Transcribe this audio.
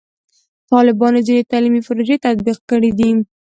طالبانو ځینې تعلیمي پروژې تطبیق کړي دي.